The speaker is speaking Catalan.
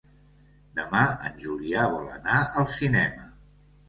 Demà en Julià vol anar al cinema.